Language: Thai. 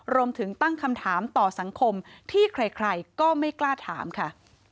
รวมถึงตั้งคำถามต่อสังคมที่ใครก็ไม่กล้าถามค่ะ